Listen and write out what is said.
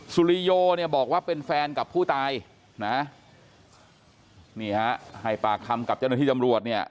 สุริโยเนี่ยบอกว่าเป็นแฟนกับผู้ตายนะนี่ฮะให้ปากคำกับเจ้าหน้าที่ตำรวจเนี่ย